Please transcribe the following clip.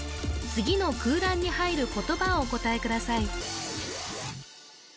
次の空欄に入る言葉をお答えください